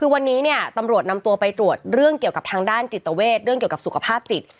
คือวันนี้เนี่ยตำรวจนำตัวไปตรวจเรื่องเกี่ยวกับทางด้านจิตเวทเรื่องเกี่ยวกับสุขภาพจิต